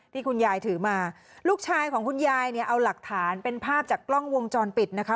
ที่คุณยายถือมาลูกชายของคุณยายเนี่ยเอาหลักฐานเป็นภาพจากกล้องวงจรปิดนะคะ